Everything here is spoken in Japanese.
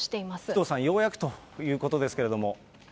紀藤さん、ようやくということですけれども。